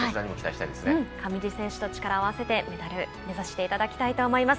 上地選手と力を合わせてメダル目指していただきたいと思います。